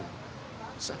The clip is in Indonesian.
tidak ada kasus narkoba